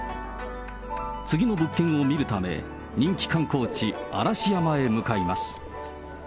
次の物件を見るため、人気観光地、嵐山へ向かいます。